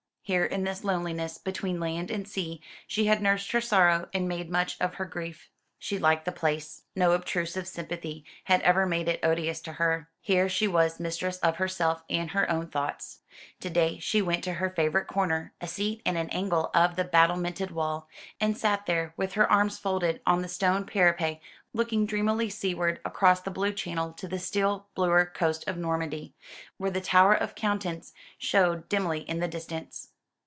Here in this loneliness, between land and sea, she had nursed her sorrow and made much of her grief. She liked the place. No obtrusive sympathy had ever made it odious to her. Here she was mistress of herself and her own thoughts. To day she went to her favourite corner, a seat in an angle of the battlemented wall, and sat there with her arms folded on the stone parapet, looking dreamily seaward, across the blue channel to the still bluer coast of Normandy, where the tower of Coutance showed dimly in the distance.